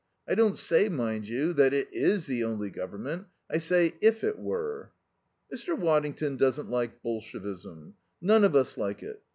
I don't say, mind you, that it is the only Government I say, if it were. "Mr. Waddington doesn't like Bolshevism. None of us like it.